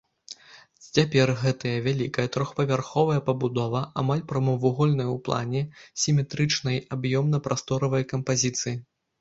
Цяпер гэта вялікая трохпавярховая пабудова, амаль прамавугольная ў плане, сіметрычнай аб'ёмна-прасторавай кампазіцыі.